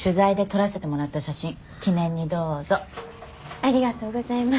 ありがとうございます。